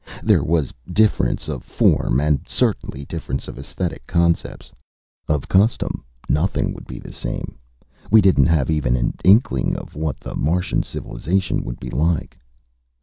There was difference of form, and certainly difference of esthetic concepts. Of custom, nothing could be the same. We didn't have even an inkling of what the Martian civilization would be like.